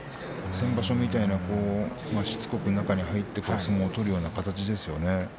先場所みたいに、しつこく中に入って相撲を取るような形ですよね。